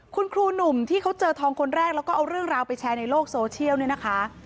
คุณครูหนุ่มที่เขาเจอทองคนแรกแล้วก็เอาเรื่องราวไปแชร์ในโลกโซเชียลเนี่ยนะคะ